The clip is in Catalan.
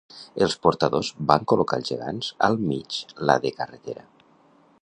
Els portadors van col·locar els gegants al mig la de carretera